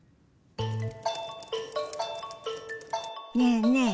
ねえねえ